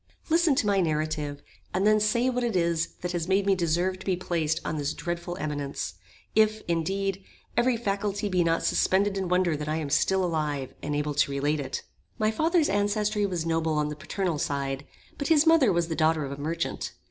Listen to my narrative, and then say what it is that has made me deserve to be placed on this dreadful eminence, if, indeed, every faculty be not suspended in wonder that I am still alive, and am able to relate it. My father's ancestry was noble on the paternal side; but his mother was the daughter of a merchant.